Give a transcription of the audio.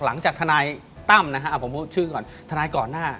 หลังจากธนายตั้มนะครับผมพูดชื่อก่อนธนายก่อนหน้า